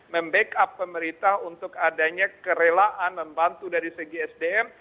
membackup pemerintah untuk adanya kerelaan membantu dari segi sdm